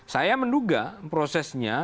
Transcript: saya menduga prosesnya